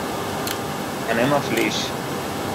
Anem a Flix.